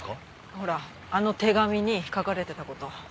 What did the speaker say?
ほらあの手紙に書かれてた事。